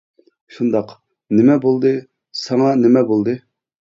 -شۇنداق، نېمە بولدى، ساڭا نېمە بولدى!